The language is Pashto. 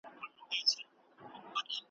در لېږل چي مي ګلونه هغه نه یم ,